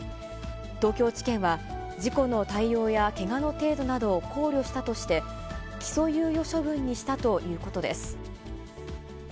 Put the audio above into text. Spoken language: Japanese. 東京地検は事故の対応やけがの程度などを考慮したとして、起訴猶予処分にしたということです。